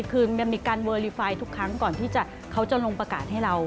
คือมีการเวอร์ลีไฟล์ทุกครั้งก่อนที่เขาจะลงประกาศให้เรา